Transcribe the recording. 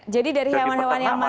jadi dari hewan hewan yang masih